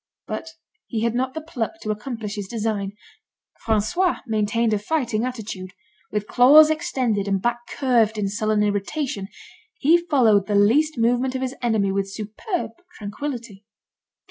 But he had not the pluck to accomplish his design. François maintained a fighting attitude. With claws extended, and back curved in sullen irritation, he followed the least movement of his enemy with superb tranquillity.